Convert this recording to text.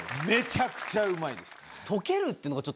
めちゃくちゃうまいです。